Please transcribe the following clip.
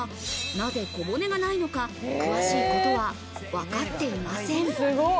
なぜ小骨がないのか、詳しいことはわかっていません。